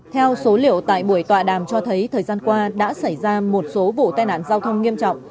theo số liệu tại buổi tọa đàm cho thấy thời gian qua đã xảy ra một số vụ tai nạn giao thông nghiêm trọng